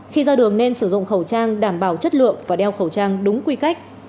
khi ra đường nên sử dụng khẩu trang đảm bảo chất lượng và đeo khẩu trang đúng quy cách